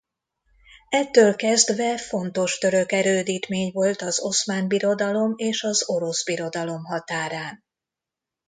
Ettől kezdve fontos török erődítmény volt az Oszmán Birodalom és az Orosz Birodalom határán.